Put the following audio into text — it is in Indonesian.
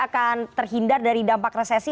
akan terhindar dari dampak resesi